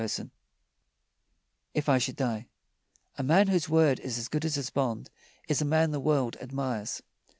_ IF I SHOULD DIE A man whose word is as good as his bond is a man the world admires.